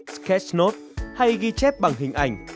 sketch note hay ghi chép bằng hình ảnh